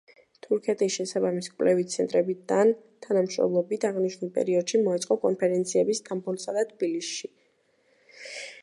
თურქეთის შესაბამის კვლევით ცენტრებთან თანამშრომლობით, აღნიშნულ პერიოდში მოეწყო კონფერენციები სტამბოლსა და თბილისში.